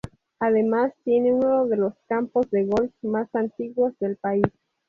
Además tiene uno de los campos de golf más antiguos del país.